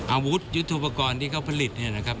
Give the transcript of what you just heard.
อาวุธยุทธุปกรณ์ที่เขาผลิตนะครับ